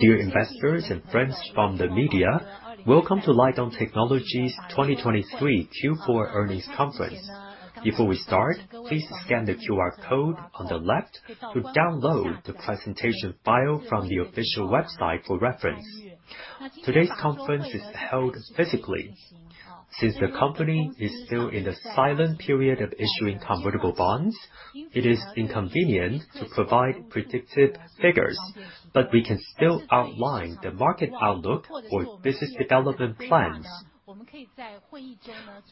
Dear investors and friends from the media, welcome to Lite-On Technology's 2023 Q4 earnings conference. Before we start, please scan the QR code on the left to download the presentation file from the official website for reference. Today's conference is held physically. Since the company is still in the silent period of issuing convertible bonds, it is inconvenient to provide predictive figures, but we can still outline the market outlook or business development plans.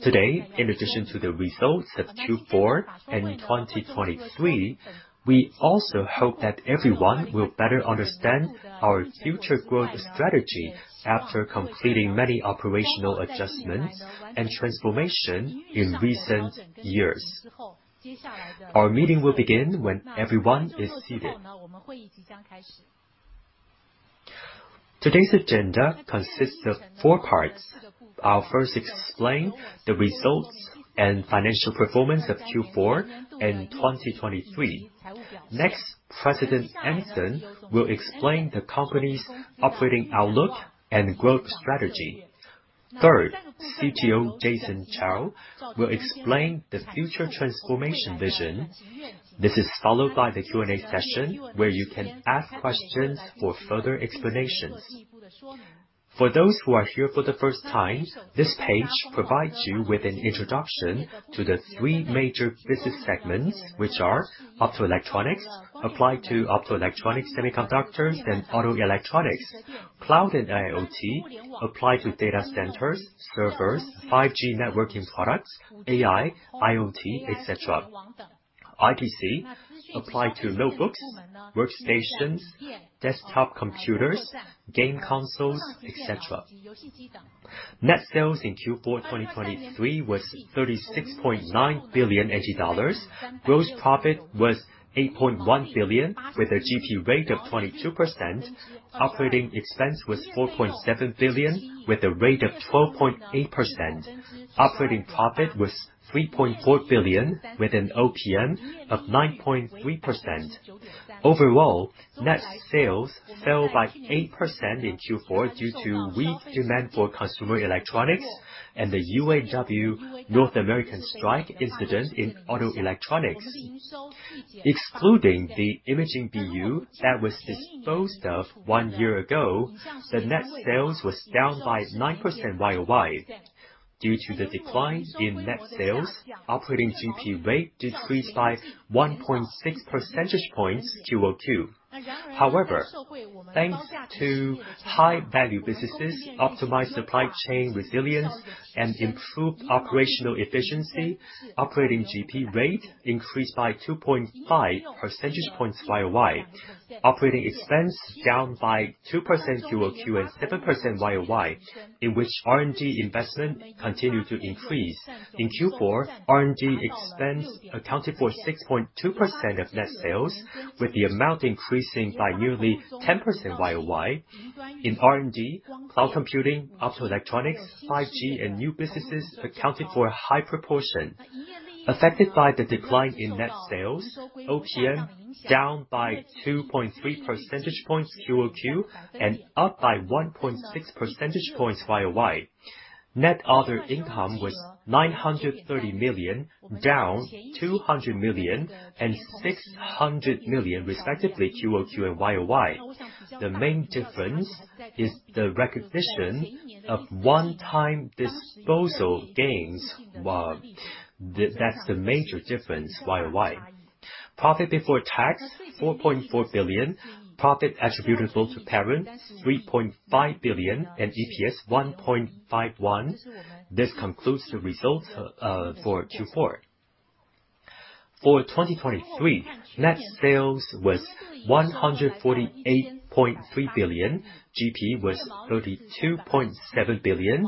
Today, in addition to the results of Q4 and 2023, we also hope that everyone will better understand our future growth strategy after completing many operational adjustments and transformation in recent years. Our meeting will begin when everyone is seated. Today's agenda consists of four parts. I'll first explain the results and financial performance of Q4 and 2023. Next, President Emerson will explain the company's operating outlook and growth strategy. CTO Anson Chiu will explain the future transformation vision. This is followed by the Q&A session, where you can ask questions for further explanations. For those who are here for the first time, this page provides you with an introduction to the three major business segments, which are optoelectronics, applied to optoelectronic semiconductors and auto electronics; cloud and IoT, applied to data centers, servers, 5G networking products, AI, IoT, et cetera; IPC, applied to notebooks, workstations, desktop computers, game consoles, et cetera. Net sales in Q4 2023 was NTD 36.9 billion. Gross profit was NTD 8.1 billion, with a GP rate of 22%. Operating expense was NTD 4.7 billion, with a rate of 12.8%. Operating profit was NTD 3.4 billion, with an OPM of 9.3%. Overall, net sales fell by 8% in Q4 due to weak demand for consumer electronics and the UAW North American strike incident in auto electronics. Excluding the imaging BU that was disposed of one year ago, the net sales was down by 9% year-over-year. Due to the decline in net sales, operating GP rate decreased by 1.6 percentage points quarter-over-quarter. However, thanks to high value businesses, optimized supply chain resilience, and improved operational efficiency, operating GP rate increased by 2.5 percentage points year-over-year. Operating expense down by 2% quarter-over-quarter and 7% year-over-year, in which R&D investment continued to increase. In Q4, R&D expense accounted for 6.2% of net sales, with the amount increasing by nearly 10% year-over-year. In R&D, cloud computing, optoelectronics, 5G, and new businesses accounted for a high proportion. Affected by the decline in net sales, OPM down by 2.3 percentage points quarter-over-quarter and up by 1.6 percentage points year-over-year. Net other income was NTD 930 million, down NTD 200 million and NTD 600 million, respectively, quarter-over-quarter and year-over-year. The main difference is the recognition of one-time disposal gains. That's the major difference year-over-year. Profit before tax, NTD 4.4 billion. Profit attributable to parent, NTD 3.5 billion, and EPS 1.51. This concludes the results for Q4. For 2023, net sales was NTD 148.3 billion. GP was NTD 32.7 billion,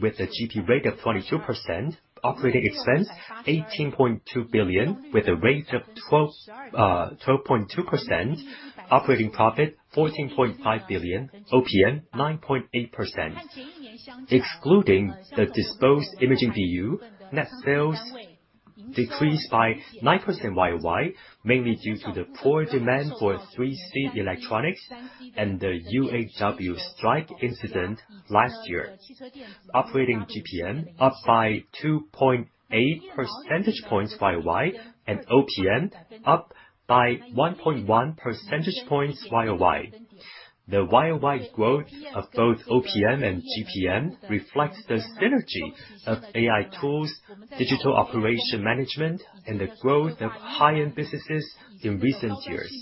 with a GP rate of 22%. Operating expense, NTD 18.2 billion, with a rate of 12.2%. Operating profit, NTD 14.5 billion. OPM, 9.8%. Excluding the disposed imaging BU, net sales decreased by 9% year-over-year, mainly due to the poor demand for 3C electronics and the UAW strike incident last year. Operating GPM up by 2.8 percentage points year-over-year and OPM up by 1.1 percentage points year-over-year. The year-over-year growth of both OPM and GPM reflects the synergy of AI tools, digital operation management, and the growth of high-end businesses in recent years.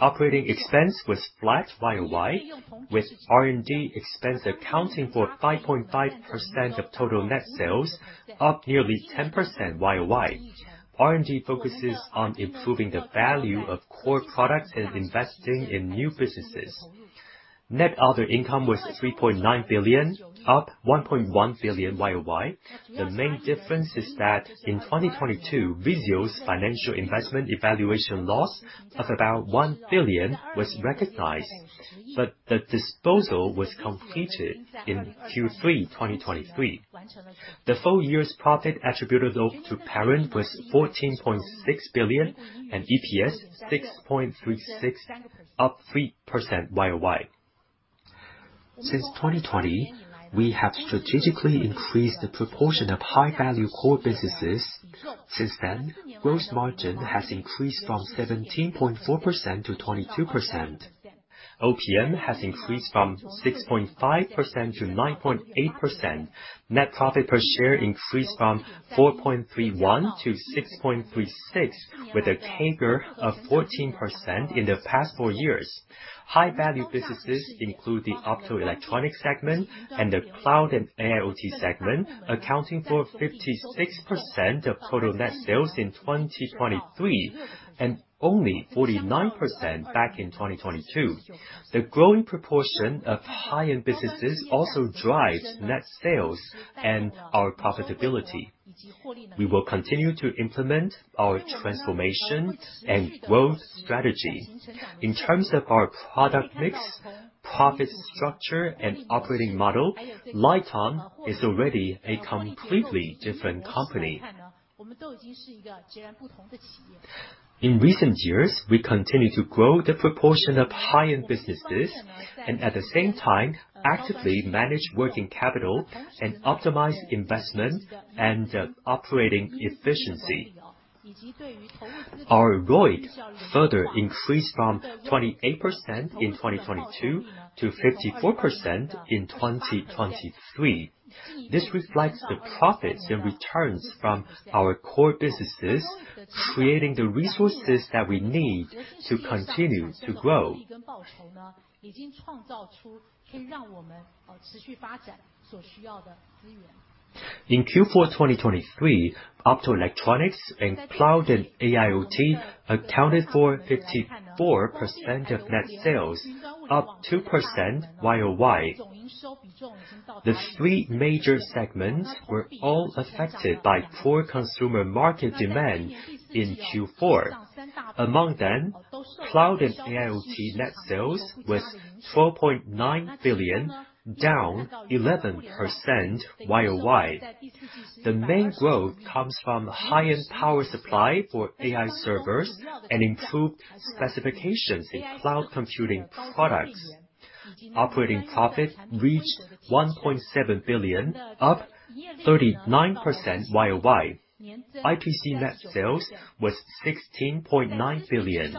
Operating expense was flat year-over-year, with R&D expense accounting for 5.5% of total net sales, up nearly 10% year-over-year. R&D focuses on improving the value of core products and investing in new businesses. Net other income was NTD 3.9 billion, up NTD 1.1 billion year-over-year. The main difference is that in 2022, Vizio's financial investment evaluation loss of about NTD 1 billion was recognized, but the disposal was completed in Q3 2023. The full year's profit attributable to parent was NTD 14.6 billion and EPS 6.36, up 3% year-over-year. Since 2020, we have strategically increased the proportion of high-value core businesses. Since then, gross margin has increased from 17.4% to 22%. OPM has increased from 6.5% to 9.8%. Net profit per share increased from 4.31 to 6.36, with a CAGR of 14% in the past four years. High-value businesses include the optoelectronics segment and the cloud and AIoT segment, accounting for 56% of total net sales in 2023 and only 49% back in 2022. The growing proportion of high-end businesses also drives net sales and our profitability. We will continue to implement our transformation and growth strategy. In terms of our product mix, profit structure, and operating model, Lite-On is already a completely different company. In recent years, we continue to grow the proportion of high-end businesses and at the same time actively manage working capital and optimize investment and operating efficiency. Our ROIC further increased from 28% in 2022 to 54% in 2023. This reflects the profits and returns from our core businesses, creating the resources that we need to continue to grow. In Q4 2023, optoelectronics and cloud and AIoT accounted for 54% of net sales, up 2% year-over-year. The three major segments were all affected by poor consumer market demand in Q4. Among them, cloud and AIoT net sales was NTD 12.9 billion, down 11% year-over-year. The main growth comes from high-end power supply for AI servers and improved specifications in cloud computing products. Operating profit reached NTD 1.7 billion, up 39% year-over-year. ITC net sales was NTD 16.9 billion.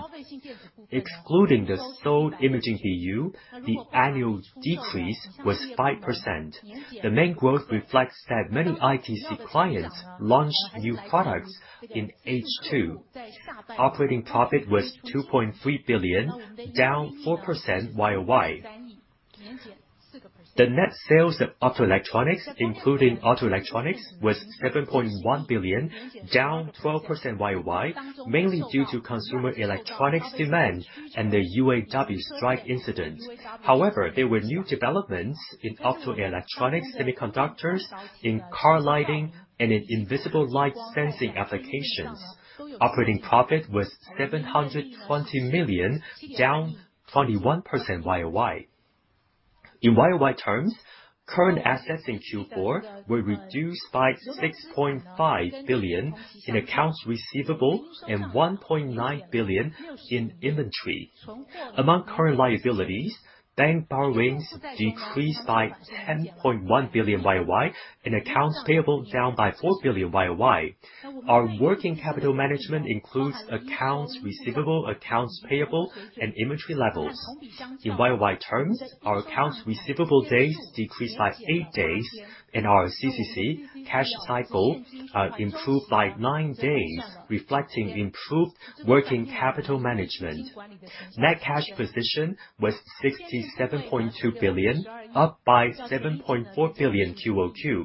Excluding the sold imaging BU, the annual decrease was 5%. The main growth reflects that many ITC clients launched new products in H2. Operating profit was NTD 2.3 billion, down 4% year-over-year. The net sales of optoelectronics was NTD 7.1 billion, down 12% year-over-year, mainly due to consumer electronics demand and the UAW strike incident. However, there were new developments in optoelectronics semiconductors, in car lighting, and in invisible light sensing applications. Operating profit was NTD 720 million, down 21% year-over-year. In year-over-year terms, current assets in Q4 were reduced by NTD 6.5 billion in accounts receivable and NTD 1.9 billion in inventory. Among current liabilities, bank borrowings decreased by NTD 10.1 billion year-over-year and accounts payable down by NTD 4 billion year-over-year. Our working capital management includes accounts receivable, accounts payable, and inventory levels. In year-over-year terms, our accounts receivable days decreased by eight days and our CCC cash cycle improved by nine days, reflecting improved working capital management. Net cash position was NTD 67.2 billion, up by NTD 7.4 billion quarter-over-quarter.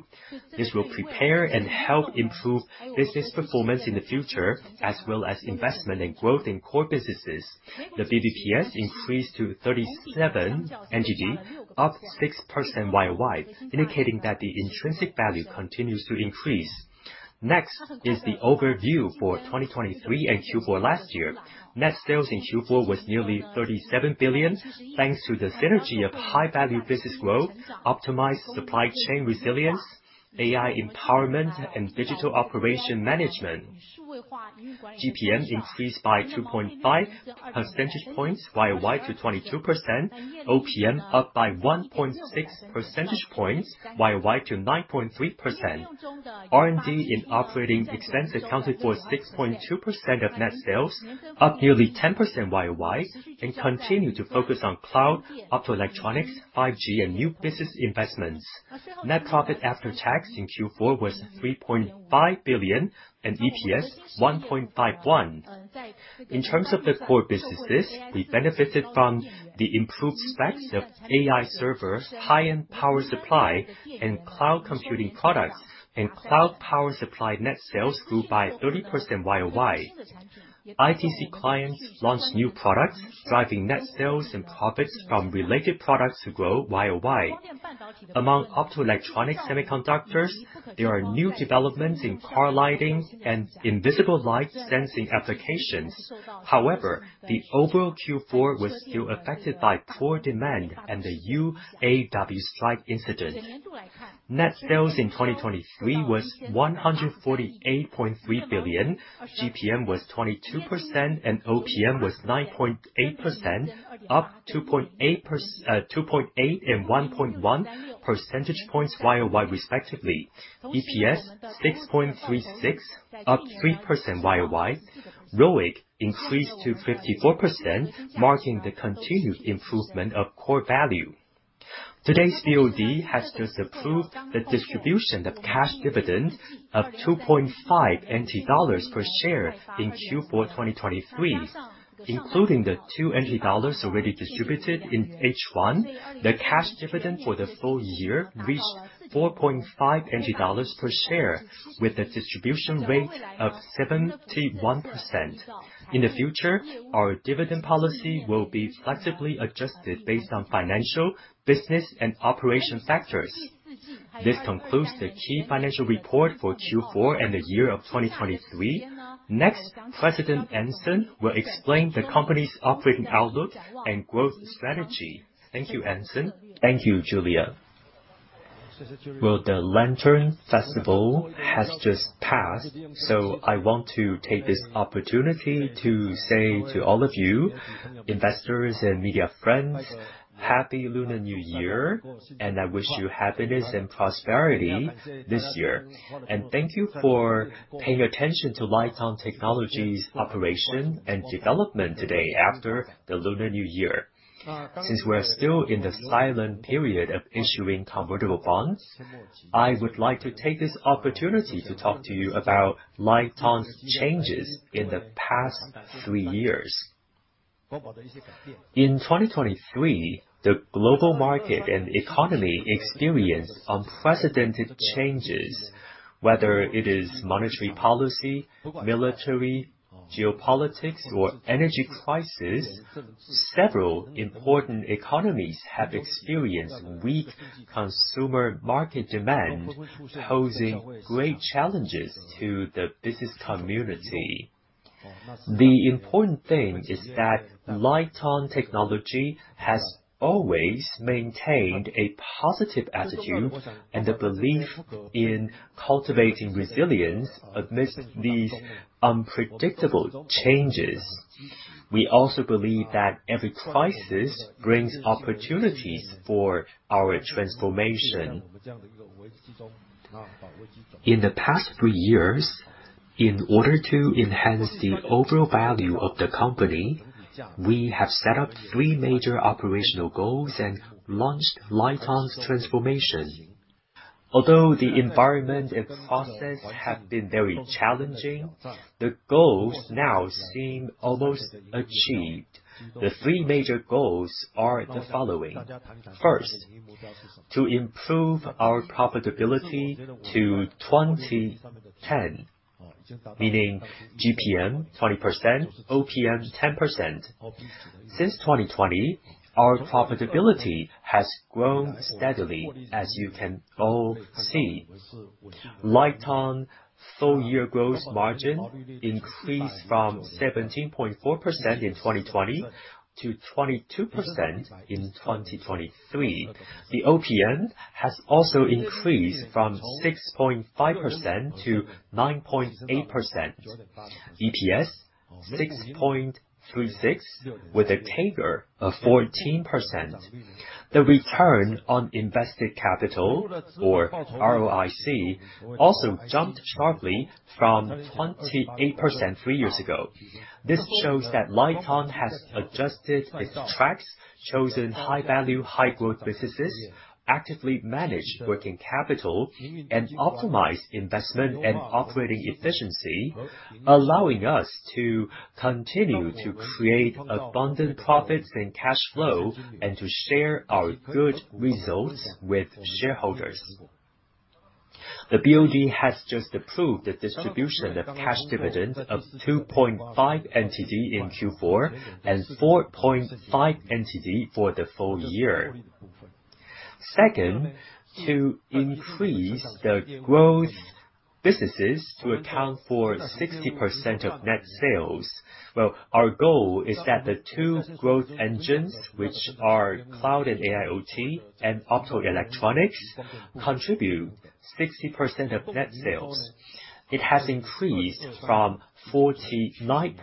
This will prepare and help improve business performance in the future, as well as investment in growth in core businesses. The BVPS increased to NTD 37, up 6% year-over-year, indicating that the intrinsic value continues to increase. Next is the overview for 2023 and Q4 last year. Net sales in Q4 was nearly NTD 37 billion, thanks to the synergy of high-value business growth, optimized supply chain resilience, AI empowerment, and digital operation management. GPM increased by 2.5 percentage points year-over-year to 22%, OPM up by 1.6 percentage points year-over-year to 9.3%. R&D and operating expenses accounted for 6.2% of net sales, up nearly 10% year-over-year, and continued to focus on cloud, optoelectronics, 5G, and new business investments. Net profit after tax in Q4 was NTD 3.5 billion and EPS NTD 1.51. In terms of the core businesses, we benefited from the improved specs of AI server, high-end power supply, and cloud computing products, and cloud power supply net sales grew by 30% year-over-year. ITC clients launched new products, driving net sales and profits from related products to grow year-over-year. Among optoelectronic semiconductors, there are new developments in car lighting and invisible light sensing applications. The overall Q4 was still affected by poor demand and the UAW strike incident. Net sales in 2023 was NTD 148.3 billion. GPM was 22% and OPM was 9.8%, up 2.8 and 1.1 percentage points year-over-year, respectively. EPS NTD 6.36, up 3% year-over-year. ROIC increased to 54%, marking the continued improvement of core value. Today's BOD has just approved the distribution of cash dividends of NTD 2.5 per share in Q4 2023. Including the NTD 2 already distributed in H1, the cash dividend for the full year reached NTD 4.5 per share, with a distribution rate of 71%. In the future, our dividend policy will be flexibly adjusted based on financial, business, and operation factors. This concludes the key financial report for Q4 and the year of 2023. Next, President Anson will explain the company's operating outlook and growth strategy. Thank you, Anson. Thank you, Julia. The Lantern Festival has just passed, I want to take this opportunity to say to all of you, investors and media friends, happy Lunar New Year, and I wish you happiness and prosperity this year. Thank you for paying attention to Lite-On Technology's operation and development today after the Lunar New Year. Since we're still in the silent period of issuing convertible bonds, I would like to take this opportunity to talk to you about Lite-On's changes in the past three years. In 2023, the global market and economy experienced unprecedented changes. Whether it is monetary policy, military, geopolitics, or energy crisis, several important economies have experienced weak consumer market demand, posing great challenges to the business community. The important thing is that Lite-On Technology has always maintained a positive attitude and a belief in cultivating resilience amidst these unpredictable changes. We also believe that every crisis brings opportunities for our transformation. In the past three years, in order to enhance the overall value of the company, we have set up three major operational goals and launched Lite-On's transformation. Although the environment and process have been very challenging, the goals now seem almost achieved. The three major goals are the following. First, to improve our profitability to 20-10, meaning GPM 20%, OPM 10%. Since 2020, our profitability has grown steadily, as you can all see. Lite-On full year gross margin increased from 17.4% in 2020 to 22% in 2023. The OPM has also increased from 6.5% to 9.8%. EPS NTD 6.36 with a CAGR of 14%. The return on invested capital or ROIC, also jumped sharply from 28% three years ago. This shows that Lite-On has adjusted its tracks, chosen high value, high growth businesses, actively managed working capital, and optimized investment and operating efficiency, allowing us to continue to create abundant profits and cash flow and to share our good results with shareholders. The BOD has just approved the distribution of cash dividends of NTD 2.5 in Q4 and NTD 4.5 for the full year. Second, to increase the growth businesses to account for 60% of net sales. Well, our goal is that the two growth engines, which are cloud and AIoT and optoelectronics, contribute 60% of net sales. It has increased from 49%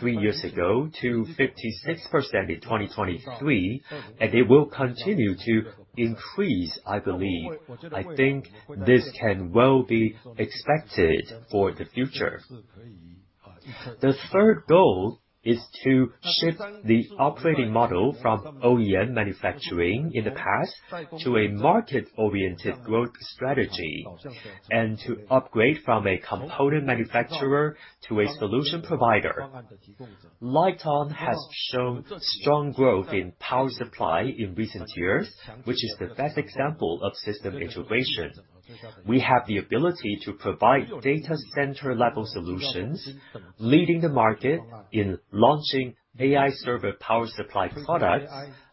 three years ago to 56% in 2023, and it will continue to increase, I believe. I think this can well be expected for the future. The third goal is to shift the operating model from OEM manufacturing in the past to a market-oriented growth strategy, and to upgrade from a component manufacturer to a solution provider. Lite-On has shown strong growth in power supply in recent years, which is the best example of system integration. We have the ability to provide data center level solutions, leading the market in launching AI server power supply products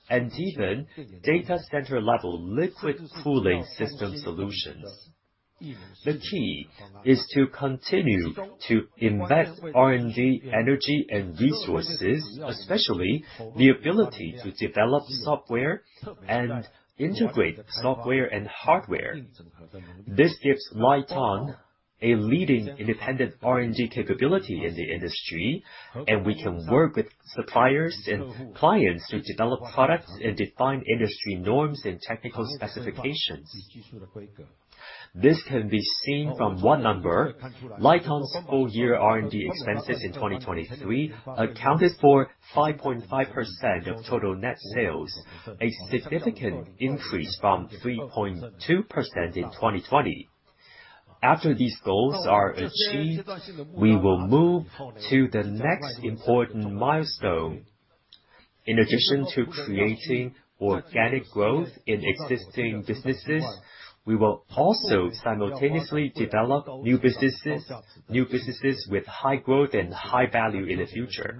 and even data center level liquid cooling system solutions. The key is to continue to invest R&D energy and resources, especially the ability to develop software and integrate software and hardware. This gives Lite-On a leading independent R&D capability in the industry, and we can work with suppliers and clients to develop products and define industry norms and technical specifications. This can be seen from one number. Lite-On's full year R&D expenses in 2023 accounted for 5.5% of total net sales, a significant increase from 3.2% in 2020. After these goals are achieved, we will move to the next important milestone. In addition to creating organic growth in existing businesses, we will also simultaneously develop new businesses, new businesses with high growth and high value in the future.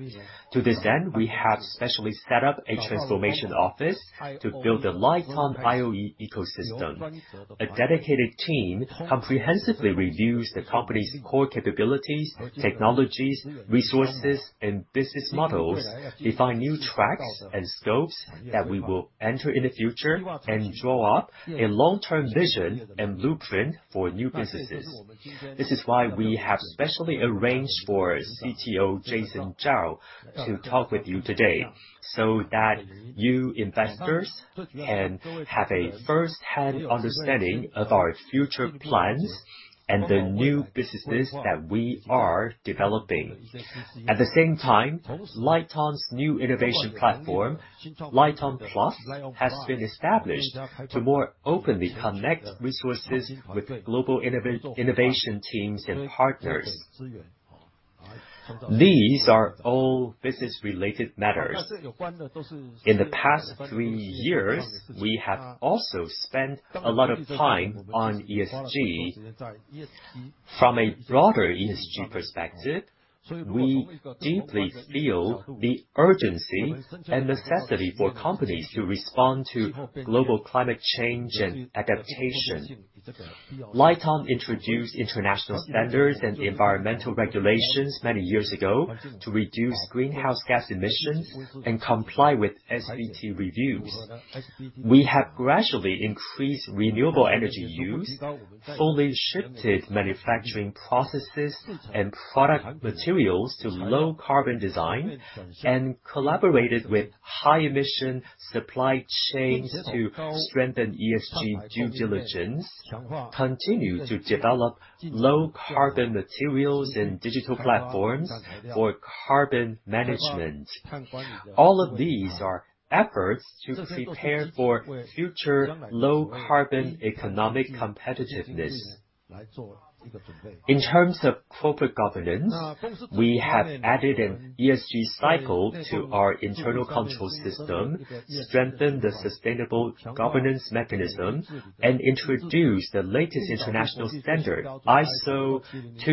To this end, we have specially set up a transformation office to build the Lite-On IOE ecosystem. A dedicated team comprehensively reviews the company's core capabilities, technologies, resources, and business models, define new tracks and scopes that we will enter in the future, and draw up a long-term vision and blueprint for new businesses. This is why we have specially arranged for CTO Anson Chiu to talk with you today so that you investors can have a first-hand understanding of our future plans and the new businesses that we are developing. At the same time, Lite-On's new innovation platform, LITEON+, has been established to more openly connect resources with global innovation teams and partners. These are all business-related matters. In the past three years, we have also spent a lot of time on ESG. From a broader ESG perspective, we deeply feel the urgency and necessity for companies to respond to global climate change and adaptation. Lite-On introduced international standards and environmental regulations many years ago to reduce greenhouse gas emissions and comply with SBTi reviews. We have gradually increased renewable energy use, fully shifted manufacturing processes and product materials to low carbon design, and collaborated with high emission supply chains to strengthen ESG due diligence, continue to develop low carbon materials and digital platforms for carbon management. All of these are efforts to prepare for future low carbon economic competitiveness. In terms of corporate governance, we have added an ESG cycle to our internal control system, strengthened the sustainable governance mechanism, and introduced the latest international standard, ISO/IEC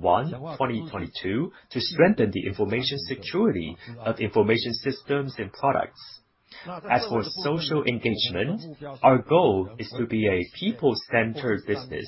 27001:2022, to strengthen the information security of information systems and products. As for social engagement, our goal is to be a people-centered business.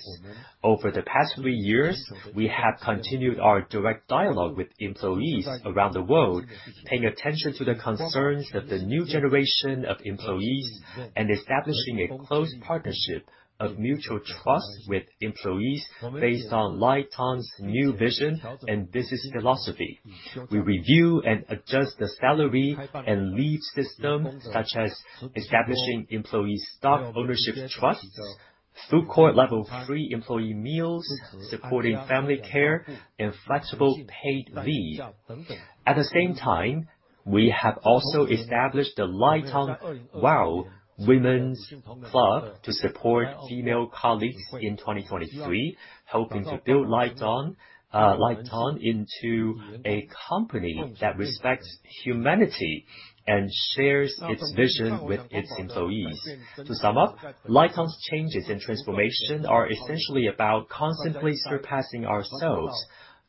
Over the past three years, we have continued our direct dialogue with employees around the world, paying attention to the concerns of the new generation of employees, and establishing a close partnership of mutual trust with employees based on Lite-On's new vision and business philosophy. We review and adjust the salary and leave system, such as establishing employee stock ownership trusts, food court level 3 employee meals, supporting family care, and flexible paid leave. At the same time, we have also established the LITEON WoW Women's Association to support female colleagues in 2023, helping to build Lite-On into a company that respects humanity and shares its vision with its employees. To sum up, Lite-On's changes and transformation are essentially about constantly surpassing ourselves.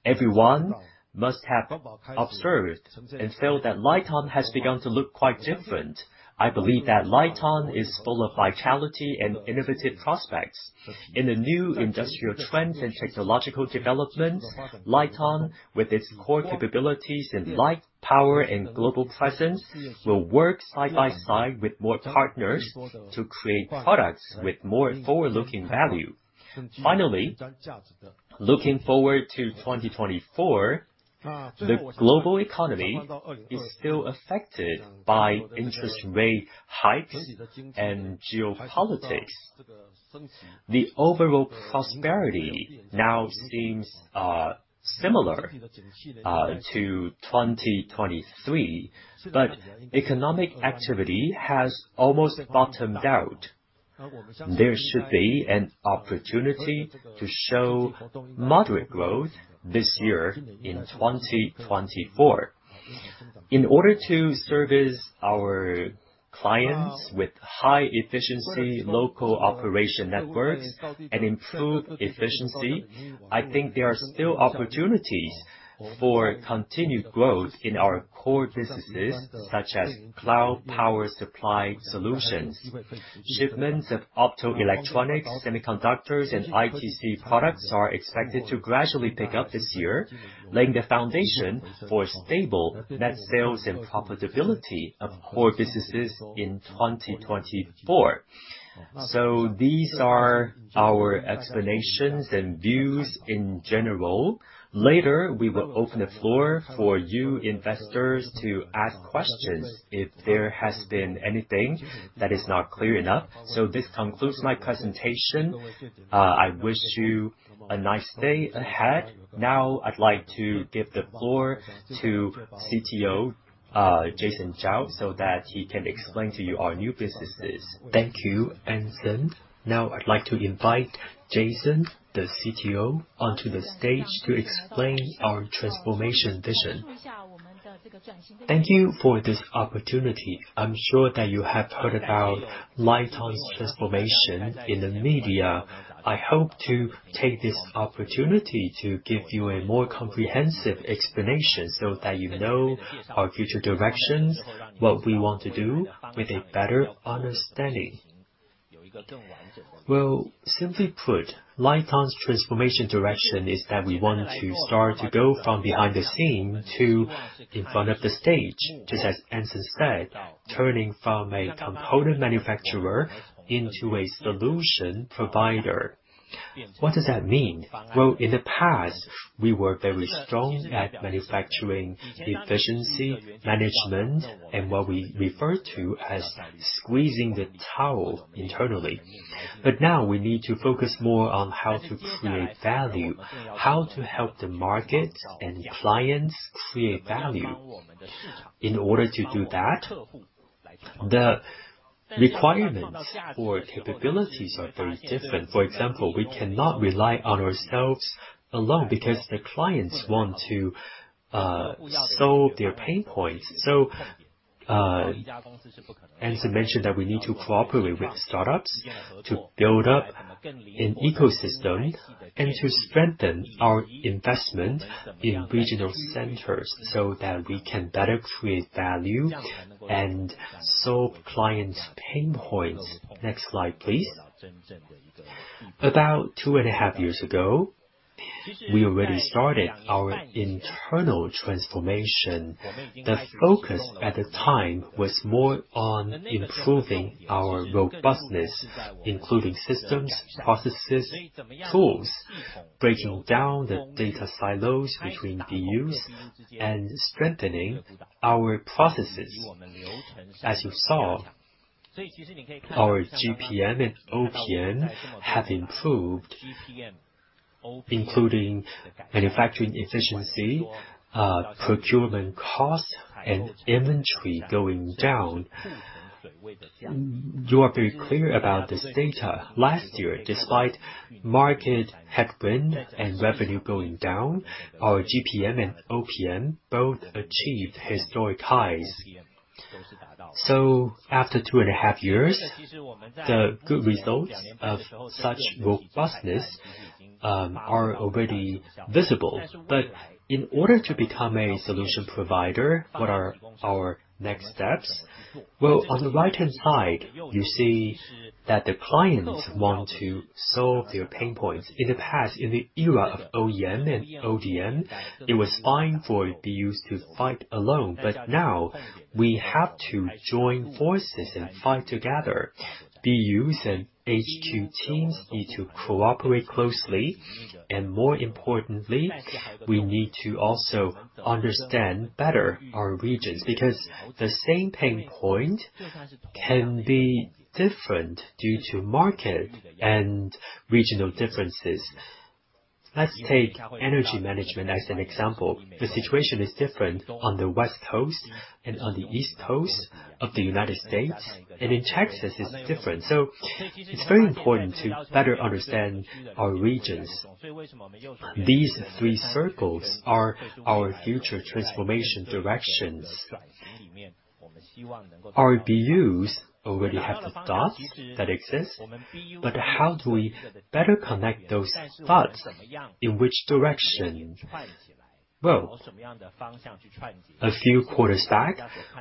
Everyone must have observed and felt that Lite-On has begun to look quite different. I believe that Lite-On is full of vitality and innovative prospects. In the new industrial trends and technological developments, Lite-On, with its core capabilities in light, power, and global presence, will work side by side with more partners to create products with more forward-looking value. Finally, looking forward to 2024, the global economy is still affected by interest rate hikes and geopolitics. The overall prosperity now seems similar to 2023, but economic activity has almost bottomed out. There should be an opportunity to show moderate growth this year in 2024. In order to service our clients with high-efficiency local operation networks and improve efficiency, I think there are still opportunities for continued growth in our core businesses such as cloud power supply solutions. Shipments of optoelectronics, semiconductors, and ITC products are expected to gradually pick up this year, laying the foundation for stable net sales and profitability of core businesses in 2024. These are our explanations and views in general. Later, we will open the floor for you investors to ask questions if there has been anything that is not clear enough. This concludes my presentation. I wish you a nice day ahead. Now I'd like to give the floor to CTO Anson Chiu, so that he can explain to you our new businesses. Thank you, Anson. Now I'd like to invite Anson, the CTO, onto the stage to explain our transformation vision. Thank you for this opportunity. I'm sure that you have heard about Lite-On's transformation in the media. I hope to take this opportunity to give you a more comprehensive explanation so that you know our future directions, what we want to do with a better understanding. Well, simply put, Lite-On's transformation direction is that we want to start to go from behind the scene to in front of the stage. Just as Anson said, turning from a component manufacturer into a solution provider. What does that mean? Well, in the past, we were very strong at manufacturing efficiency management and what we refer to as squeezing the towel internally. Now we need to focus more on how to create value, how to help the market and clients create value. In order to do that, the requirements for capabilities are very different. For example, we cannot rely on ourselves alone because the clients want to solve their pain points. Anson mentioned that we need to cooperate with startups to build up an ecosystem and to strengthen our investment in regional centers so that we can better create value and solve clients' pain points. Next slide, please. About two and a half years ago, we already started our internal transformation. The focus at the time was more on improving our robustness, including systems, processes, tools, breaking down the data silos between BUs, and strengthening our processes. As you saw, our GPM and OPM have improved, including manufacturing efficiency, procurement cost, and inventory going down. You are very clear about this data. Last year, despite market headwind and revenue going down, our GPM and OPM both achieved historic highs. After two and a half years, the good results of such robustness are already visible. In order to become a solution provider, what are our next steps? Well, on the right-hand side, you see that the clients want to solve their pain points. In the past, in the era of OEM and ODM, it was fine for BUs to fight alone, but now we have to join forces and fight together. BUs and HQ teams need to cooperate closely, and more importantly, we need to also understand better our regions. Because the same pain point can be different due to market and regional differences. Let's take energy management as an example. The situation is different on the West Coast and on the East Coast of the United States, and in Texas it's different. It's very important to better understand our regions. These three circles are our future transformation directions. Our BUs already have the dots that exist, but how do we better connect those dots? In which direction? Well, a few quarters back,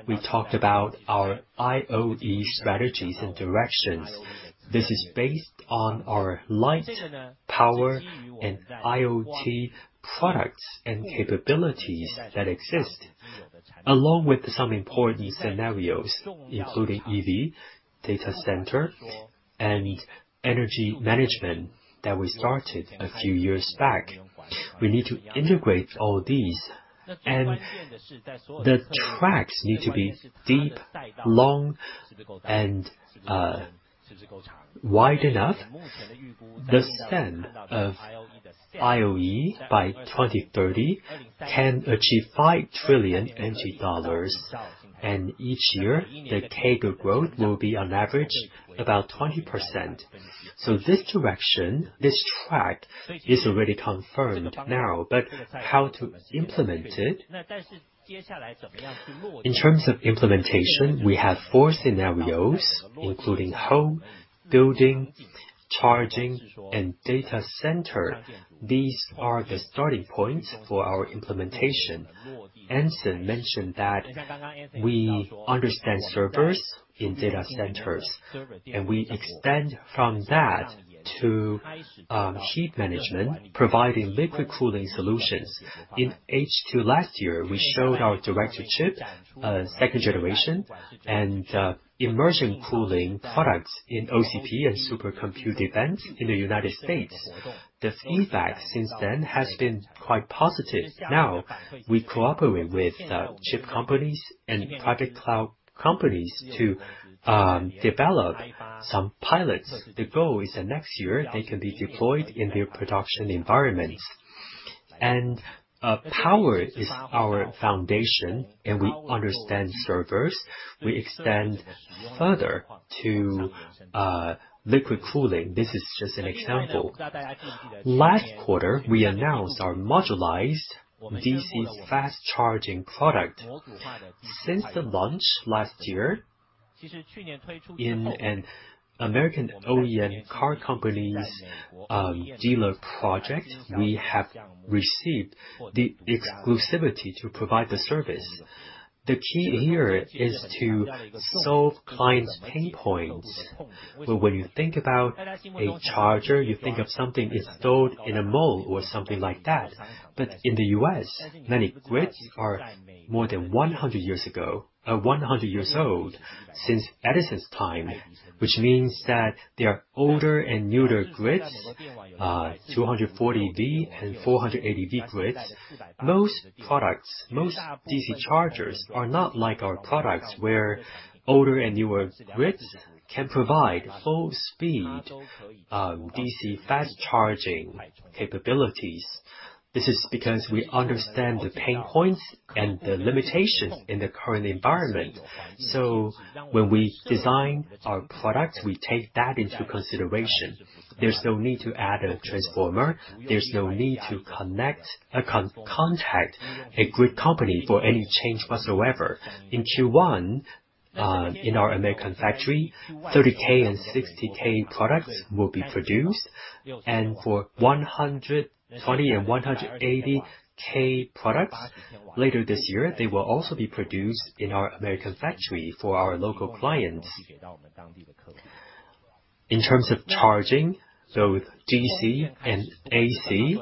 we talked about our AIoT strategies and directions. This is based on our light, power, and IoT products and capabilities that exist, along with some important scenarios including EV, data center, and energy management that we started a few years back. We need to integrate all these, and the tracks need to be deep, long, and wide enough. The span of AIoT by 2030 can achieve five trillion energy dollars, and each year the CAGR growth will be on average about 20%. This direction, this track, is already confirmed now, but how to implement it? In terms of implementation, we have four scenarios, including home, building, charging, and data center. These are the starting points for our implementation. Anson mentioned that we understand servers in data centers, and we extend from that to heat management, providing liquid cooling solutions. In H2 last year, we showed our direct-to-chip, second generation, and immersion cooling products in OCP and Supercomputing events in the United States. The feedback since then has been quite positive. Now we cooperate with chip companies and private cloud companies to develop some pilots. The goal is that next year they can be deployed in their production environments. Power is our foundation, and we understand servers. We extend further to liquid cooling. This is just an example. Last quarter, we announced our modularized DC fast charging product. Since the launch last year, in an American OEM car company's dealer project, we have received the exclusivity to provide the service. The key here is to solve clients' pain points. When you think about a charger, you think of something installed in a mall or something like that. In the U.S., many grids are more than 100 years old, since Thomas' time, which means that there are older and newer grids, 240V and 480V grids. Most products, most DC chargers are not like our products, where older and newer grids can provide full speed DC fast charging capabilities. This is because we understand the pain points and the limitations in the current environment. When we design our products, we take that into consideration. There's no need to add a transformer. There's no need to contact a grid company for any change whatsoever. In Q1, in our U.S. factory, 30K and 60K products will be produced. For 120K and 180K products, later this year, they will also be produced in our U.S. factory for our local clients. In terms of charging, both DC and AC,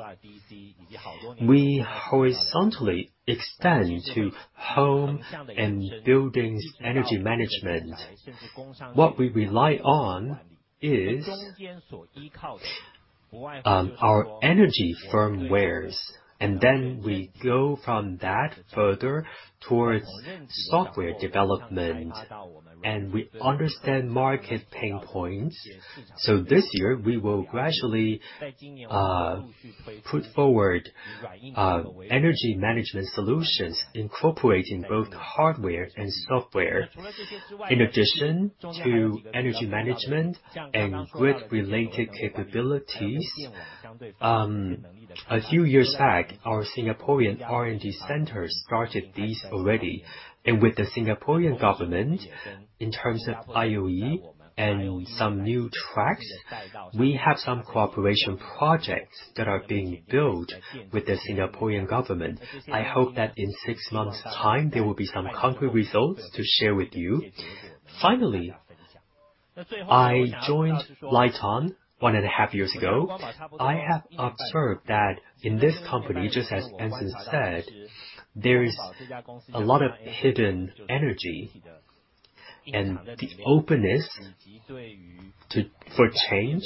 we horizontally extend to home and buildings energy management. What we rely on is our energy firmwares. Then we go from that further towards software development. We understand market pain points, so this year, we will gradually put forward energy management solutions incorporating both hardware and software. In addition to energy management and grid-related capabilities, a few years back, our Singaporean R&D center started these already. With the Singaporean government, in terms of IOE and some new tracks, we have some cooperation projects that are being built with the Singaporean government. I hope that in six months' time, there will be some concrete results to share with you. Finally, I joined Lite-On one and a half years ago. I have observed that in this company, just as Anson said, there is a lot of hidden energy, and the openness for change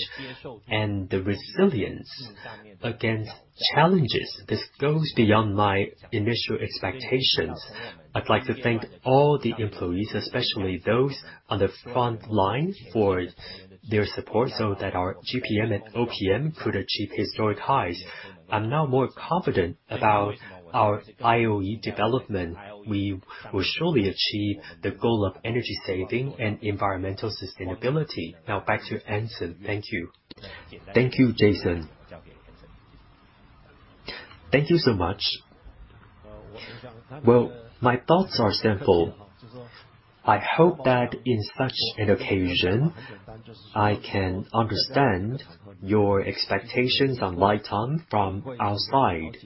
and the resilience against challenges, this goes beyond my initial expectations. I'd like to thank all the employees, especially those on the front line, for their support so that our GPM and OPM could achieve historic highs. I am now more confident about our IOE development. We will surely achieve the goal of energy saving and environmental sustainability. Now back to Anson. Thank you. Thank you, Jason. Thank you so much. My thoughts are simple. I hope that in such an occasion, I can understand your expectations on Lite-On from outside.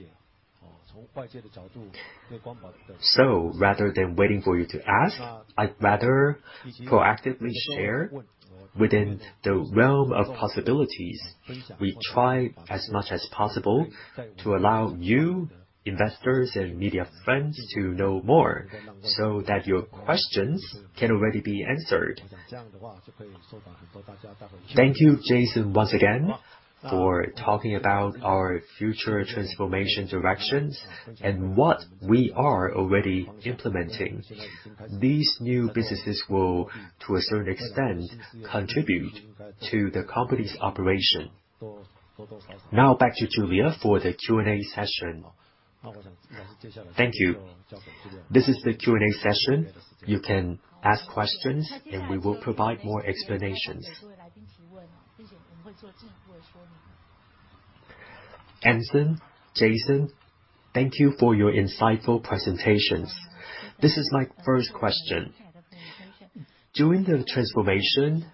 Rather than waiting for you to ask, I'd rather proactively share within the realm of possibilities. We try as much as possible to allow you investors and media friends to know more so that your questions can already be answered. Thank you, Jason, once again for talking about our future transformation directions and what we are already implementing. These new businesses will, to a certain extent, contribute to the company's operation. Now back to Julia for the Q&A session. Thank you. This is the Q&A session. You can ask questions, and we will provide more explanations. Anson, Jason, thank you for your insightful presentations. This is my first question. During the transformation,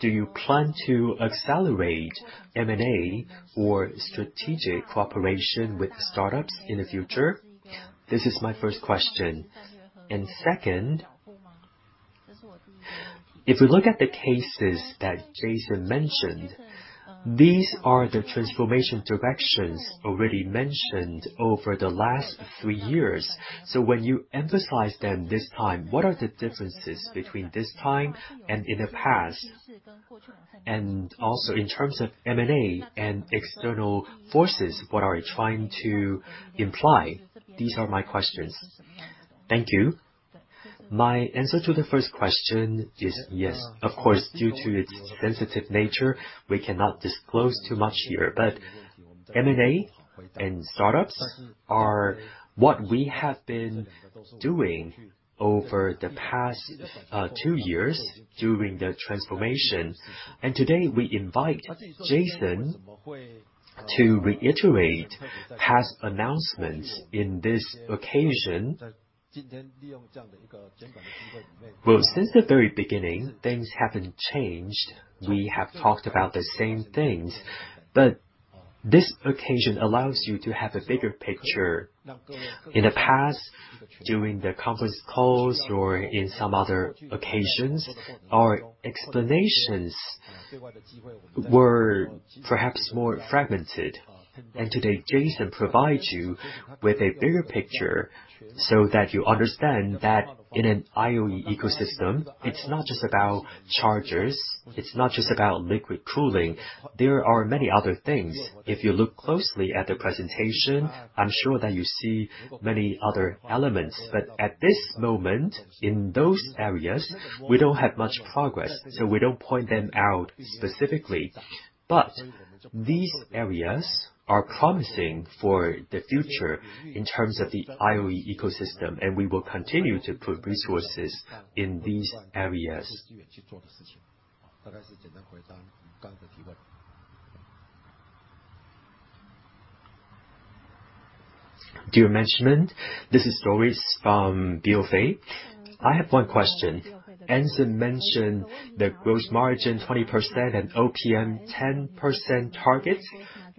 do you plan to accelerate M&A or strategic cooperation with startups in the future? This is my first question. Second, if we look at the cases that Jason mentioned, these are the transformation directions already mentioned over the last three years. When you emphasize them this time, what are the differences between this time and in the past? In terms of M&A and external forces, what are you trying to imply? These are my questions. Thank you. My answer to the first question is yes. Of course, due to its sensitive nature, we cannot disclose too much here. M&A and startups are what we have been doing over the past two years during the transformation. Today, we invite Jason to reiterate past announcements on this occasion. Well, since the very beginning, things haven't changed. We have talked about the same things. This occasion allows you to have a bigger picture. In the past, during the conference calls or on some other occasions, our explanations were perhaps more fragmented. Today, Jason provides you with a bigger picture so that you understand that in an AIoT ecosystem, it's not just about chargers, it's not just about liquid cooling. There are many other things. If you look closely at the presentation, I'm sure that you see many other elements. At this moment, in those areas, we don't have much progress, so we don't point them out specifically. These areas are promising for the future in terms of the AIoT ecosystem. We will continue to put resources in these areas. Dear management, this is Loris from BofA. I have one question. Anson mentioned the Gross Margin 20% and OPM 10% target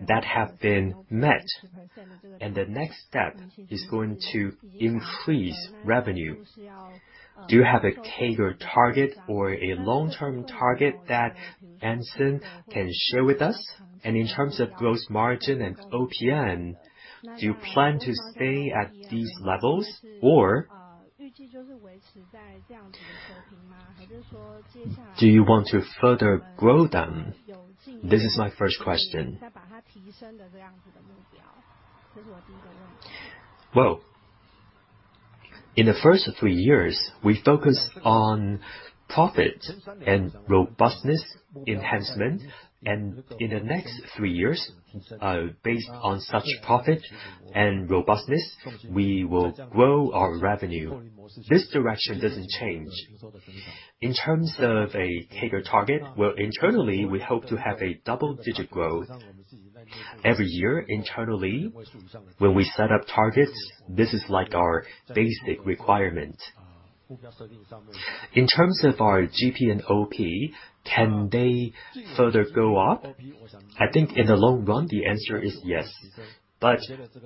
that have been met. The next step is going to increase revenue. Do you have a CAGR target or a long-term target that Anson can share with us? In terms of Gross Margin and OPM, do you plan to stay at these levels, or do you want to further grow them? This is my first question. Well, in the first three years, we focused on profit and robustness enhancement. In the next three years, based on such profit and robustness, we will grow our revenue. This direction doesn't change. In terms of a CAGR target, well, internally, we hope to have a double-digit growth. Every year internally, when we set up targets, this is our basic requirement. In terms of our GP and OP, can they further go up? I think in the long run, the answer is yes.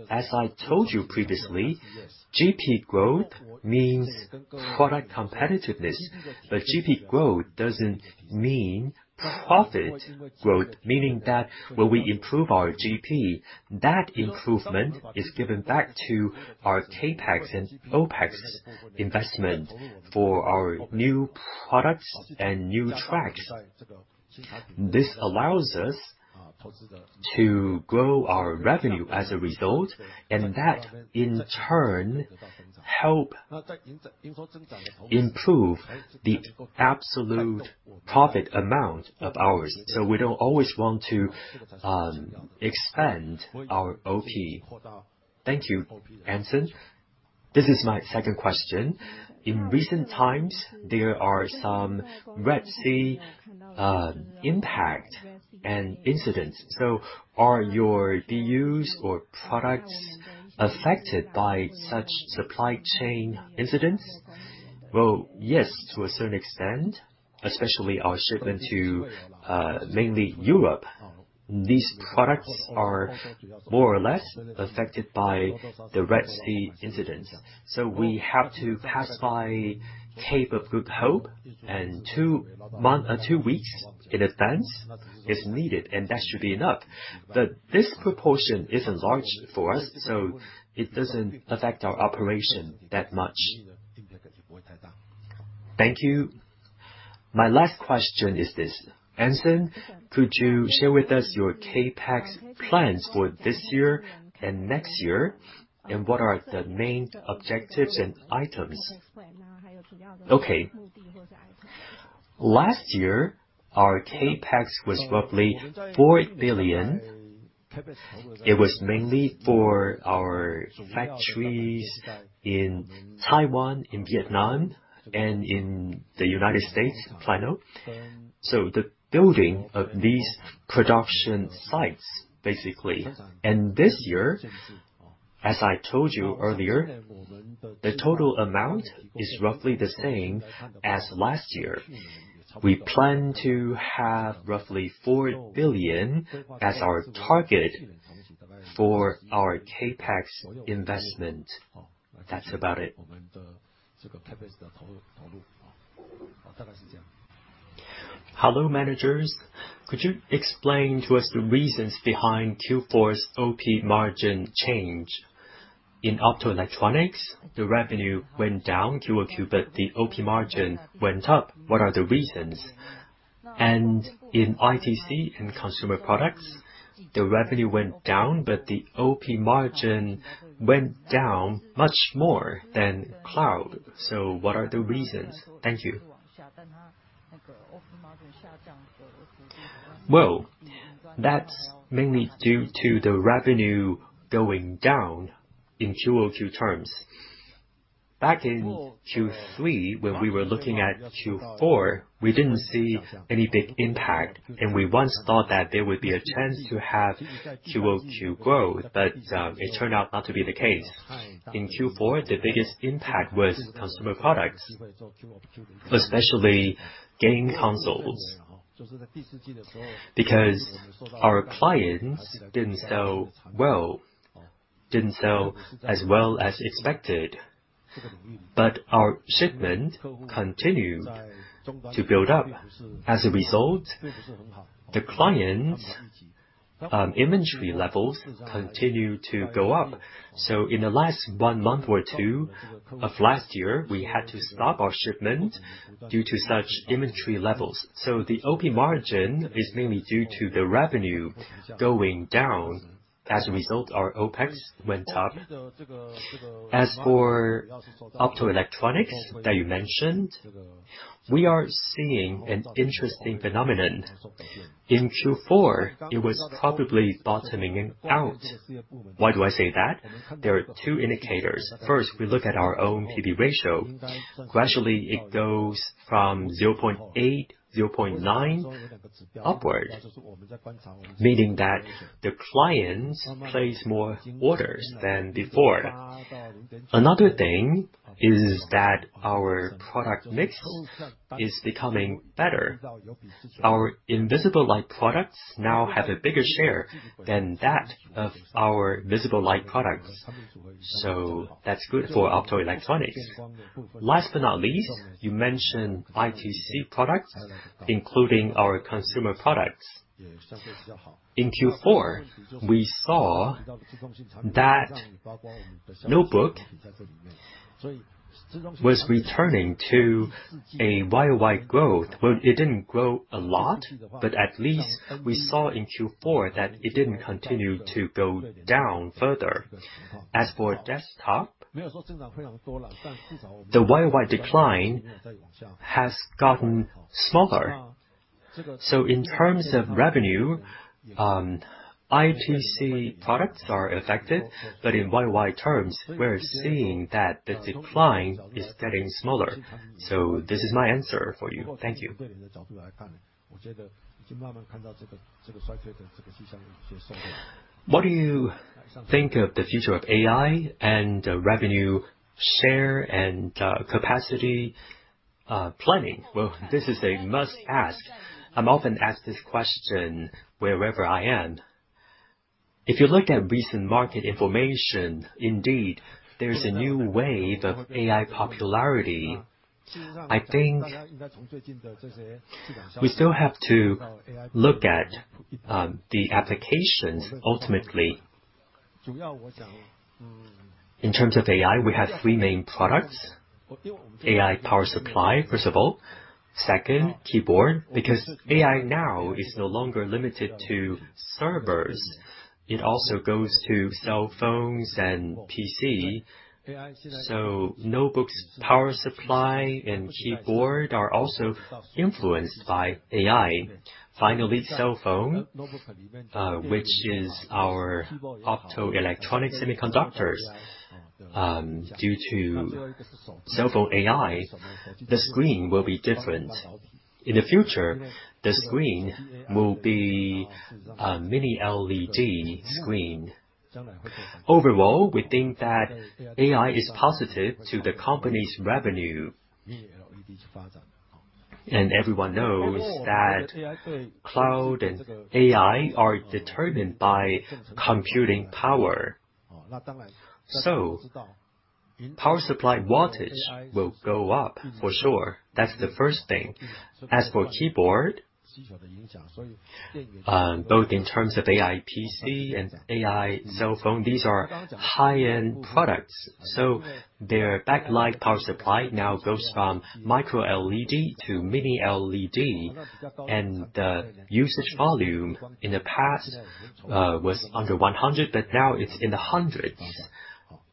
As I told you previously, GP growth means product competitiveness. GP growth doesn't mean profit growth, meaning that when we improve our GP, that improvement is given back to our CapEx and OpEx investment for our new products and new tracks. This allows us to grow our revenue as a result. That in turn helps improve the absolute profit amount of ours. We don't always want to expand our OP. Thank you, Anson. This is my second question. In recent times, there are some Red Sea impact and incidents. Are your BUs or products affected by such supply chain incidents? Well, yes, to a certain extent, especially our shipment to mainly Europe. These products are more or less affected by the Red Sea incidents, we have to pass by Cape of Good Hope, two weeks in advance is needed, that should be enough. This proportion isn't large for us, so it doesn't affect our operation that much. Thank you. My last question is this. Anson, could you share with us your CapEx plans for this year and next year, what are the main objectives and items? Last year, our CapEx was roughly NTD 4 billion. It was mainly for our factories in Taiwan, in Vietnam, and in the U.S., final. The building of these production sites, basically. This year As I told you earlier, the total amount is roughly the same as last year. We plan to have roughly NTD 4 billion as our target for our CapEx investment. That's about it. Hello, managers. Could you explain to us the reasons behind Q4's OP margin change? In optoelectronics, the revenue went down quarter-over-quarter, but the OP margin went up. What are the reasons? In ITC and consumer products, the revenue went down, but the OP margin went down much more than cloud. What are the reasons? Thank you. That's mainly due to the revenue going down in quarter-over-quarter terms. Back in Q3, when we were looking at Q4, we didn't see any big impact, and we once thought that there would be a chance to have quarter-over-quarter growth. It turned out not to be the case. In Q4, the biggest impact was consumer products, especially game consoles, because our clients didn't sell as well as expected. Our shipment continued to build up. As a result, the client inventory levels continued to go up. In the last one month or two of last year, we had to stop our shipment due to such inventory levels. The OP margin is mainly due to the revenue going down. As a result, our OpEx went up. As for optoelectronics that you mentioned, we are seeing an interesting phenomenon. In Q4, it was probably bottoming out. Why do I say that? There are two indicators. First, we look at our own P/B ratio. Gradually, it goes from 0.8, 0.9 upward, meaning that the clients place more orders than before. Another thing is that our product mix is becoming better. Our invisible light products now have a bigger share than that of our visible light products. That's good for optoelectronics. Last but not least, you mentioned ITC products, including our consumer products. In Q4, we saw that notebook was returning to a year-over-year growth. It didn't grow a lot, at least we saw in Q4 that it didn't continue to go down further. As for desktop, the year-over-year decline has gotten smaller. In terms of revenue, ITC products are affected. In year-over-year terms, we're seeing that the decline is getting smaller. This is my answer for you. Thank you. What do you think of the future of AI and revenue share and capacity planning? This is a must ask. I'm often asked this question wherever I am. If you look at recent market information, indeed, there's a new wave of AI popularity. I think we still have to look at the applications, ultimately. In terms of AI, we have three main products. AI power supply, first of all. Second, keyboard, because AI now is no longer limited to servers. It also goes to cell phones and PC. Notebook's power supply and keyboard are also influenced by AI. Finally, cell phone, which is our optoelectronic semiconductors. Due to cell phone AI, the screen will be different. In the future, the screen will be a Mini-LED screen. Overall, we think that AI is positive to the company's revenue. Everyone knows that cloud and AI are determined by computing power. Power supply wattage will go up for sure. That's the first thing. As for keyboard, both in terms of AI PC and AI cell phone, these are high-end products. Their backlight power supply now goes from MicroLED to Mini-LED, and the usage volume in the past was under 100, but now it's in the hundreds.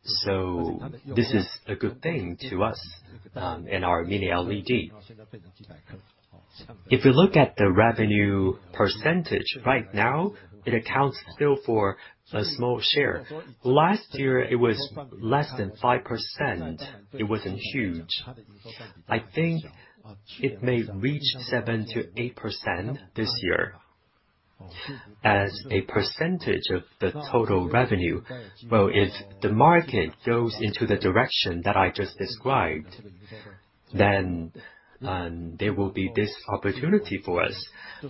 This is a good thing to us in our Mini-LED. If you look at the revenue percentage, right now, it accounts still for a small share. Last year it was less than 5%. It wasn't huge. I think it may reach 7%-8% this year. As a percentage of the total revenue, well, if the market goes into the direction that I just described, then there will be this opportunity for us.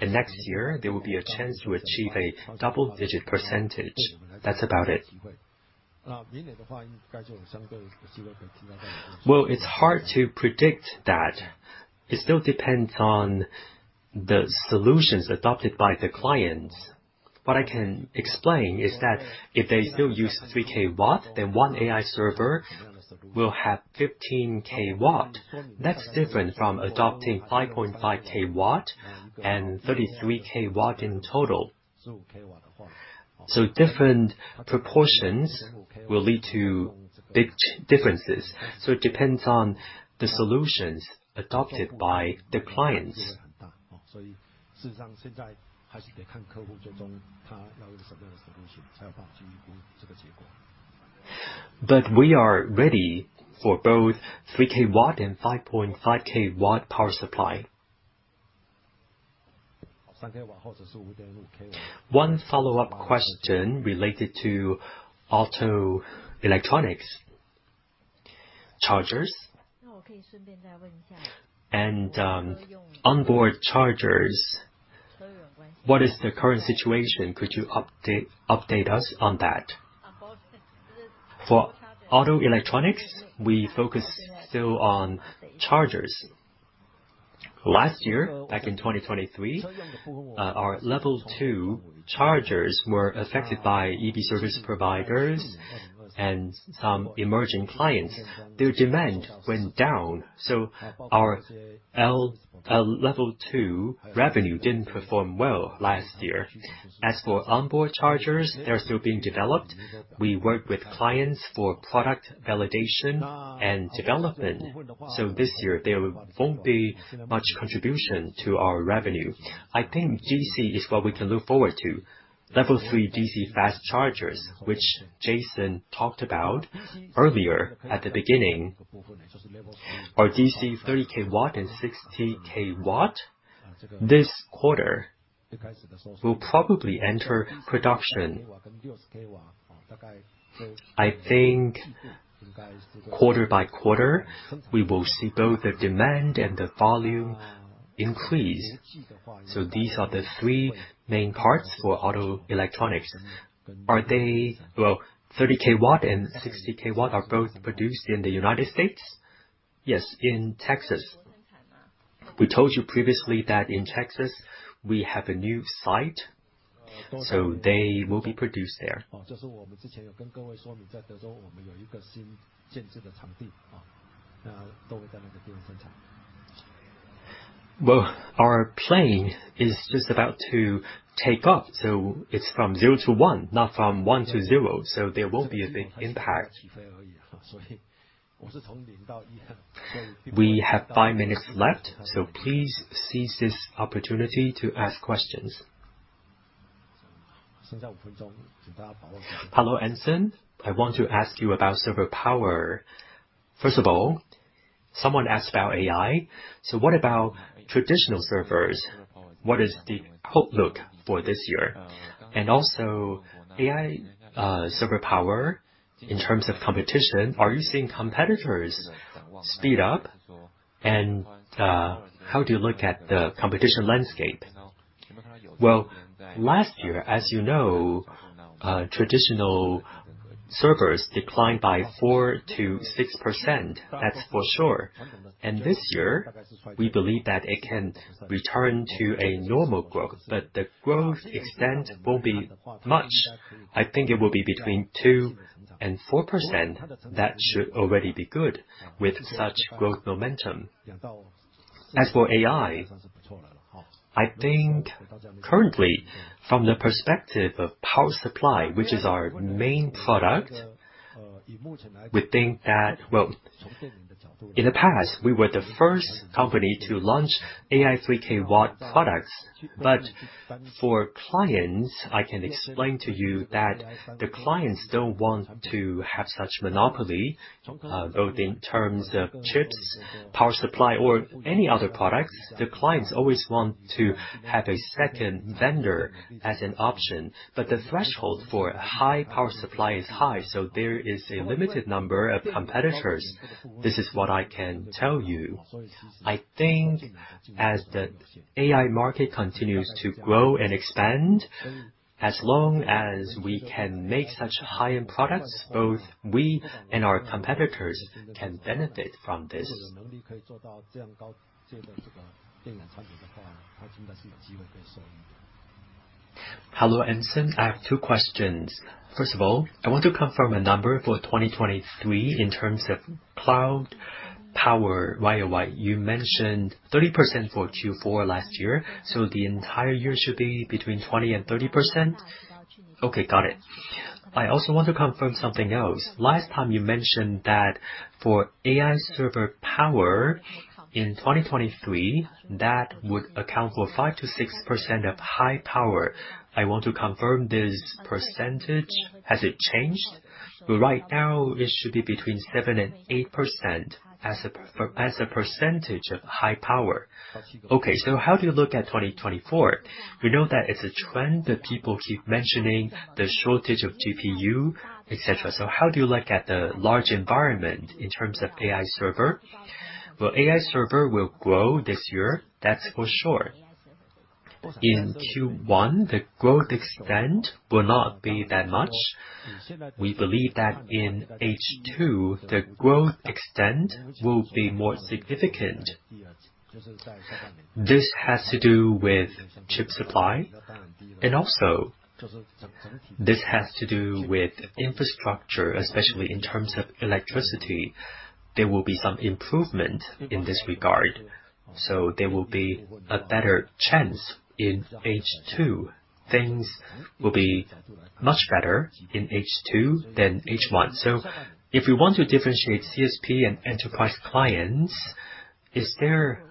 Next year, there will be a chance to achieve a double-digit percentage. That's about it. Well, it's hard to predict that. It still depends on the solutions adopted by the clients. What I can explain is that if they still use 3kW, then one AI server will have 15kW. That's different from adopting 5.5kW and 33kW in total. Different proportions will lead to big differences. It depends on the solutions adopted by the clients. We are ready for both 3kW and 5.5kW power supply. One follow-up question related to auto electronics, chargers, and onboard chargers. What is the current situation? Could you update us on that? For auto electronics, we focus still on chargers. Last year, back in 2023, our level 2 chargers were affected by EV service providers and some emerging clients. Their demand went down, our level 2 revenue didn't perform well last year. As for onboard chargers, they're still being developed. We work with clients for product validation and development, this year there won't be much contribution to our revenue. I think DC is what we can look forward to. Level 3 DC fast chargers, which Anson talked about earlier at the beginning. Our DC 30kW and 60kW, this quarter, will probably enter production. I think quarter by quarter, we will see both the demand and the volume increase. These are the three main parts for auto electronics. Are they Well, 30kW and 60kW are both produced in the U.S. Yes, in Texas. We told you previously that in Texas, we have a new site, they will be produced there. Well, our plane is just about to take off, it's from zero to one, not from one to zero, there won't be a big impact. We have five minutes left, please seize this opportunity to ask questions. Hello, Anson. I want to ask you about server power. First of all, someone asked about AI, what about traditional servers? What is the outlook for this year? Also, AI server power in terms of competition, are you seeing competitors speed up? How do you look at the competition landscape? Well, last year, as you know, traditional servers declined by 4%-6%. That's for sure. This year, we believe that it can return to a normal growth, but the growth extent won't be much. I think it will be between 2%-4%. That should already be good with such growth momentum. As for AI, I think currently, from the perspective of power supply, which is our main product, we think that, well, in the past, we were the first company to launch AI 3kW products. For clients, I can explain to you that the clients don't want to have such monopoly, both in terms of chips, power supply, or any other products. The clients always want to have a second vendor as an option, but the threshold for a high power supply is high, so there is a limited number of competitors. This is what I can tell you. I think as the AI market continues to grow and expand, as long as we can make such high-end products, both we and our competitors can benefit from this. Hello, Anson. I have two questions. First of all, I want to confirm a number for 2023 in terms of cloud power YOY. You mentioned 30% for Q4 last year, so the entire year should be between 20%-30%? Okay, got it. I also want to confirm something else. Last time you mentioned that for AI server power in 2023, that would account for 5%-6% of high power. I want to confirm this percentage. Has it changed? Right now, it should be between 7%-8% as a percentage of high power. Okay. How do you look at 2024? We know that it's a trend that people keep mentioning the shortage of GPU, et cetera. How do you look at the large environment in terms of AI server? AI server will grow this year, that's for sure. In Q1, the growth extent will not be that much. We believe that in H2, the growth extent will be more significant. This has to do with chip supply, and also this has to do with infrastructure, especially in terms of electricity. There will be some improvement in this regard. There will be a better chance in H2. Things will be much better in H2 than H1. If you want to differentiate CSP and enterprise clients,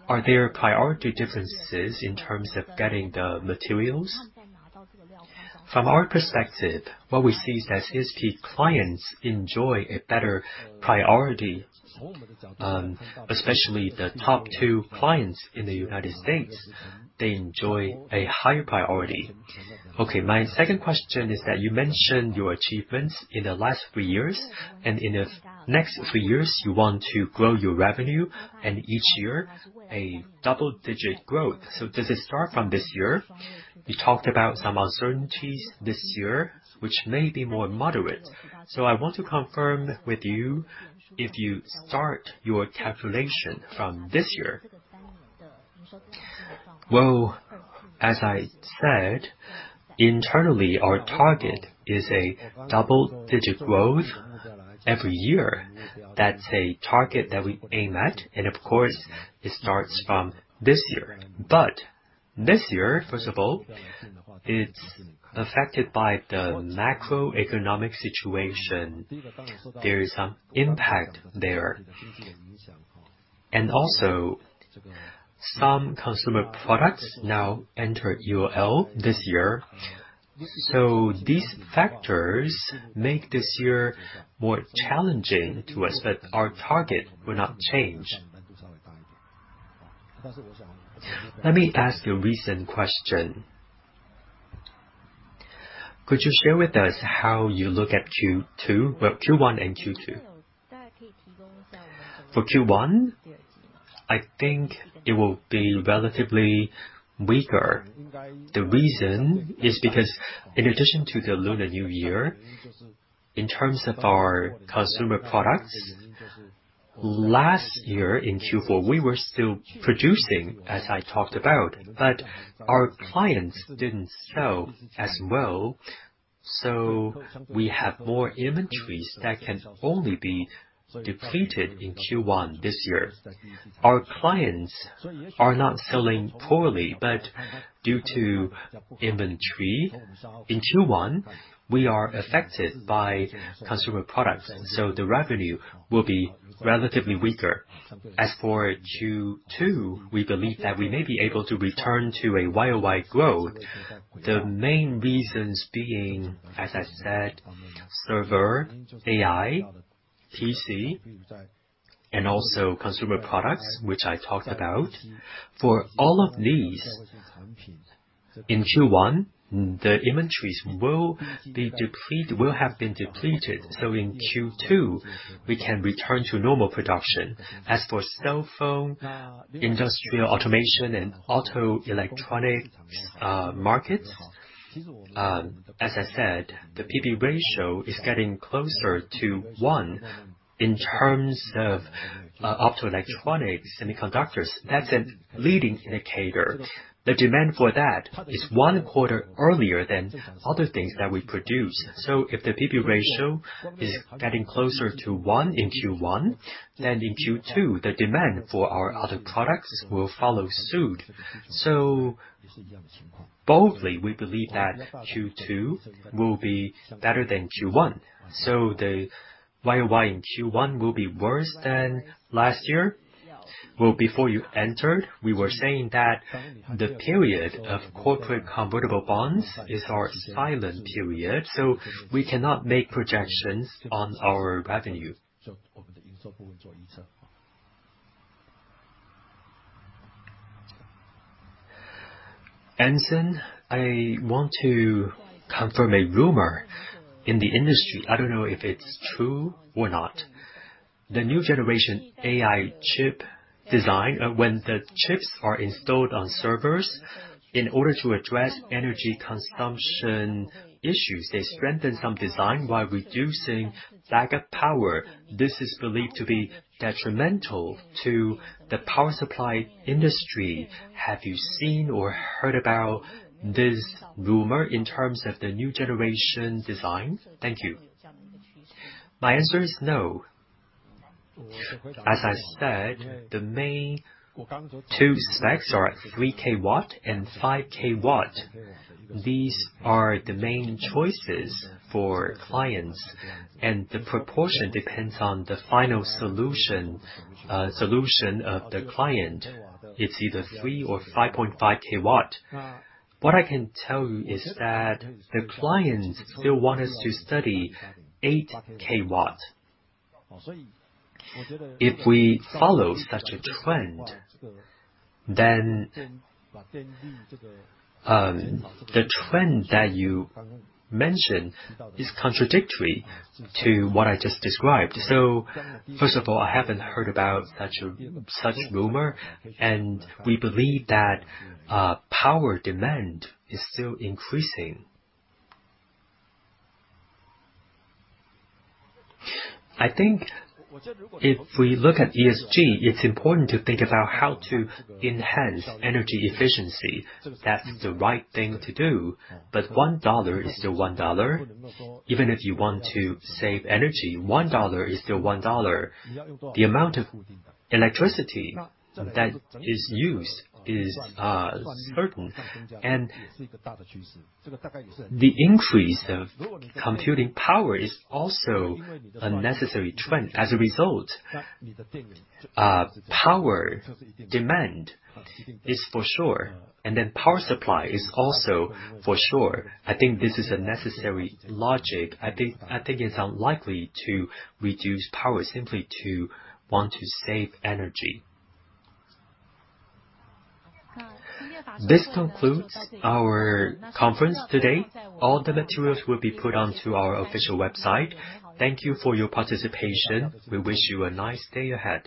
are there priority differences in terms of getting the materials? From our perspective, what we see is that CSP clients enjoy a better priority. Especially the top two clients in the U.S., they enjoy a higher priority. Okay. My second question is that you mentioned your achievements in the last three years, and in the next three years, you want to grow your revenue, and each year a double-digit growth. Does it start from this year? You talked about some uncertainties this year, which may be more moderate. I want to confirm with you if you start your calculation from this year. As I said, internally, our target is a double-digit growth every year. That's a target that we aim at, and of course, it starts from this year. This year, first of all, it's affected by the macroeconomic situation. There is an impact there. Also, some consumer products now enter EOL this year. These factors make this year more challenging to us. Our target will not change. Let me ask a recent question. Could you share with us how you look at Q1 and Q2? For Q1, I think it will be relatively weaker. The reason is because in addition to the Lunar New Year, in terms of our consumer products, last year in Q4, we were still producing, as I talked about, but our clients didn't sell as well, so we have more inventories that can only be depleted in Q1 this year. Our clients are not selling poorly, but due to inventory in Q1, we are affected by consumer products, so the revenue will be relatively weaker. As for Q2, we believe that we may be able to return to a YOY growth. The main reasons being, as I said, server, AI, PC, and also consumer products, which I talked about. For all of these, in Q1, the inventories will have been depleted. In Q2, we can return to normal production. As for cell phone, industrial automation, and auto electronic markets, as I said, the BB ratio is getting closer to one in terms of optoelectronic semiconductors. That's a leading indicator. The demand for that is one quarter earlier than other things that we produce. If the BB ratio is getting closer to one in Q1, then in Q2, the demand for our other products will follow suit. Boldly, we believe that Q2 will be better than Q1. The YOY in Q1 will be worse than last year. Well, before you entered, we were saying that the period of corporate convertible bonds is our silent period, so we cannot make projections on our revenue. Anson, I want to confirm a rumor in the industry. I don't know if it's true or not. The new generation AI chip design, when the chips are installed on servers, in order to address energy consumption issues, they strengthen some design by reducing backup power. This is believed to be detrimental to the power supply industry. Have you seen or heard about this rumor in terms of the new generation design? Thank you. My answer is no. As I said, the main two specs are 3kW and 5kW. These are the main choices for clients, and the proportion depends on the final solution of the client. It's either three or 5.5kW. What I can tell you is that the clients still want us to study 8kW. If we follow such a trend, then the trend that you mentioned is contradictory to what I just described. First of all, I haven't heard about such rumor, and we believe that power demand is still increasing. I think if we look at ESG, it's important to think about how to enhance energy efficiency. That's the right thing to do. One dollar is still one dollar. Even if you want to save energy, one dollar is still one dollar. The amount of electricity that is used is certain. The increase of computing power is also a necessary trend. As a result, power demand is for sure, then power supply is also for sure. I think this is a necessary logic. I think it's unlikely to reduce power simply to want to save energy. This concludes our conference today. All the materials will be put onto our official website. Thank you for your participation. We wish you a nice day ahead.